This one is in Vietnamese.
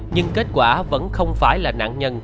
nhưng kết quả vẫn không phải là nạn nhân